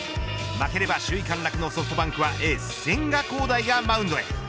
負ければ首位陥落のソフトバンクはエース、千賀滉大がマウンドへ。